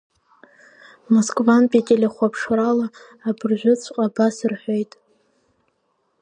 Москвантәи телехәаԥшрала абыржәыҵәҟьа абас рҳәеит…